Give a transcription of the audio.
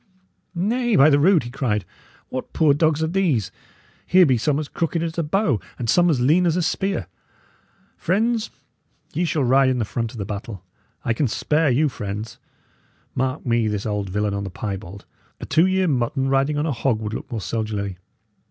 "Nay, by the rood!" he cried, "what poor dogs are these? Here be some as crooked as a bow, and some as lean as a spear. Friends, ye shall ride in the front of the battle; I can spare you, friends. Mark me this old villain on the piebald! A two year mutton riding on a hog would look more soldierly!